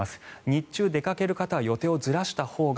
日中出かける方は予定をずらしたほうが